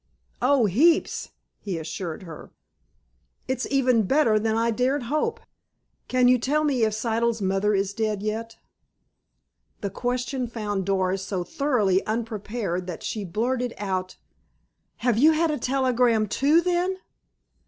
"Oh, heaps," he assured her. "It's even better than I dared hope. Can you tell me if Siddle's mother is dead yet?" The question found Doris so thoroughly unprepared that she blurted out: "Have you had a telegram, too, then?"